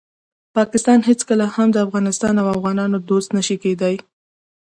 پاکستان هیڅکله هم د افغانستان او افغانانو دوست نشي کیدالی.